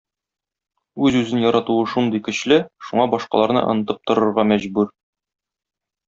Үз-үзен яратуы шундый көчле, шуңа башкаларны онытып торырга мәҗбүр.